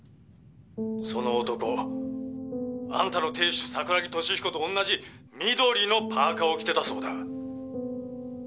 「その男あんたの亭主桜木敏彦と同じ緑のパーカーを着てたそうだ」